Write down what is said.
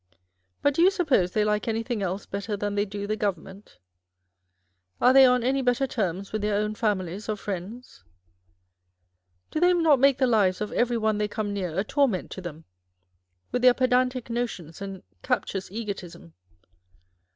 But do you suppose they like anything else better than they do the Government ? Are they on any better terms with their own families or friends ? Do they not make the lives of every one they come near a torment to them, with their pedantic notions and cap tious egotism